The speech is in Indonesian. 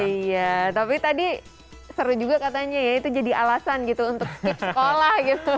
iya tapi tadi seru juga katanya ya itu jadi alasan gitu untuk tips sekolah gitu